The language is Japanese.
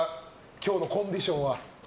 今日のコンディションは？